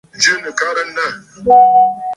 À jɨ nɨ̀karə̀ nâ.